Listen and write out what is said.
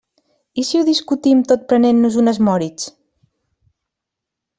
I si ho discutim tot prenent-nos unes Moritz?